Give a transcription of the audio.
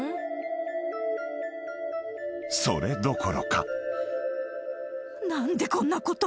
［それどころか］